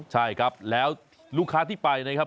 ใช่ครับแล้วลูกค้าที่ไปนะครับ